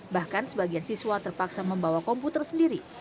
bahkan sebagian siswa terpaksa membawa komputer sendiri